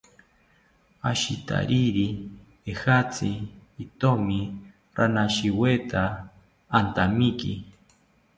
Ashitariri ejatzi itomi ranashiweta antamiki